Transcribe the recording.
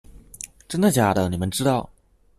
真的假的你們知道